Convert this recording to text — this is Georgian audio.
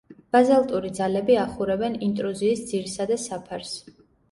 ბაზალტური ძალები ახურებენ ინტრუზიის ძირსა და საფარს.